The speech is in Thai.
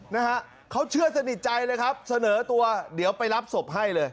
นะฮะเขาเชื่อสนิทใจเลยครับเสนอตัวเดี๋ยวไปรับศพให้เลย